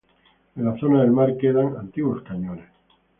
En la zona del mar quedan antiguos cañones.